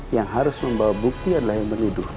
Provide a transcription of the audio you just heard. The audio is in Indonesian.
yang harus membawa bukti adalah yang menuduh